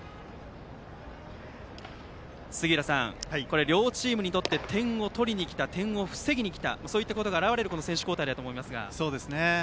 杉浦さん、両チームにとって点を取りに来た点を防ぎにきたそういったことが表れる選手交代だと思いますが。